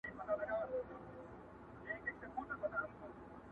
o بې گودره چي گډېږي، خود بې سيند وړي!